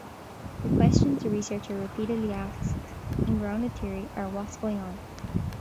The questions the researcher repeatedly asks in grounded theory are What's going on?